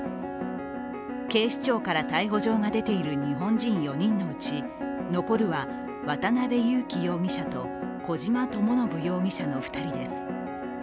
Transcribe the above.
警視庁から逮捕状が出ている日本人４人のうち残るは渡辺優樹容疑者と小島智信容疑者の２人です。